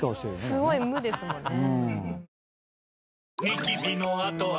すごい無ですもんね。